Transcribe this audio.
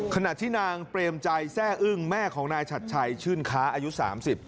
ขณะที่นางเปรมใจแซ่อึ้งแม่ของนายชัดชัยชื่นค้าอายุ๓๐